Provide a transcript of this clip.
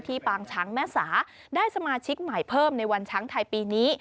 ปางช้างแม่สาได้สมาชิกใหม่เพิ่มในวันช้างไทยปีนี้